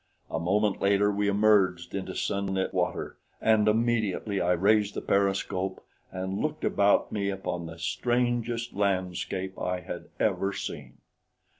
A moment later we emerged into sunlit water, and immediately I raised the periscope and looked about me upon the strangest landscape I had ever seen.